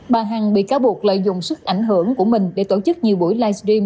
bà hằng bị cáo buộc lợi dụng sức ảnh hưởng của mình để tổ chức nhiều buổi livestream